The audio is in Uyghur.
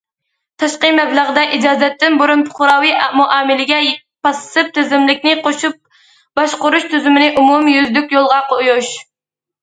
تاشقى مەبلەغدە ئىجازەتتىن بۇرۇن پۇقراۋى مۇئامىلىگە پاسسىپ تىزىملىكنى قوشۇپ باشقۇرۇش تۈزۈمىنى ئومۇميۈزلۈك يولغا قويۇش.